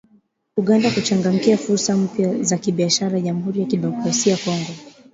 Uganda kuchangamkia fursa mpya za kibiashara Jamhuri ya Kidemokrasia ya Congo